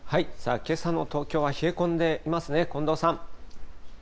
けさの東京は冷え込んでいますね、近藤さん。